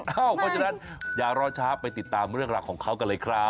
เพราะฉะนั้นอย่ารอช้าไปติดตามเรื่องราวของเขากันเลยครับ